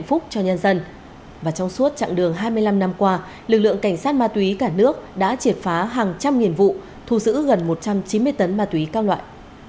ốc cho nhân dân và trong suốt chặng đường hai mươi năm năm qua lực lượng cảnh sát ma túy cả nước đã triệt phá hàng trăm nhiệm vụ thu giữ gần một trăm chín mươi tấn ma túy cao loại